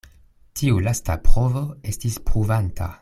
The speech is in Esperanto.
Tiu lasta provo estis pruvanta.